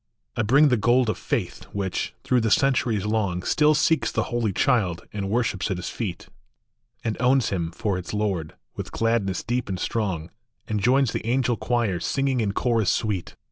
[ bring the gold of faith, which, through the centuries long, Still seeks the Holy Child, and worships at his feet, \nd owns him for its Lord, with gladness deep and strong, And joins the angel choir, singing in chorus sweet.